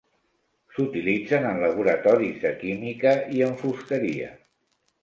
S'utilitzen en laboratoris de química i en fusteria.